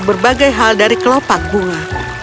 berbagai hal dari kelopak bunga